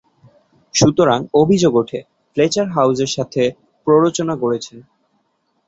সুতরাং, অভিযোগ ওঠে, ফ্লেচার হাউসের সাথে প্ররোচনা করছেন।